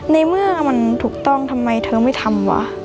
ในเมื่อมันถูกต้องทำไมเธอไม่ทำวะ